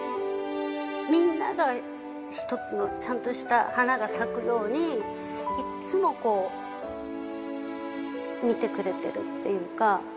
みんなが一つのちゃんとした花が咲くように、いっつもこう、見てくれてるっていうか。